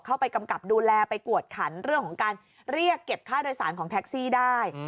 กำกับดูแลไปกวดขันเรื่องของการเรียกเก็บค่าโดยสารของแท็กซี่ได้